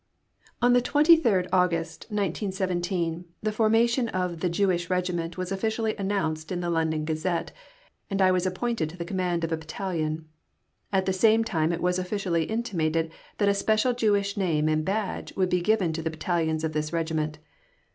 On the 23rd August, 1917, the formation of the "Jewish Regiment" was officially announced in the London Gazette, and I was appointed to the command of a Battalion. At the same time it was officially intimated that a special Jewish name and badge would be given to the Battalions of this Regiment.